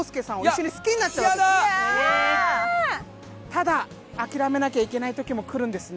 ただ諦めなきゃいけない時もくるんですね。